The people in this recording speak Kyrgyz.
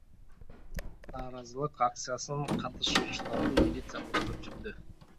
Нааразылык акциясынын катышуучуларын милиция коштоп жүрдү.